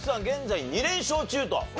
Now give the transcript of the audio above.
現在２連勝中と。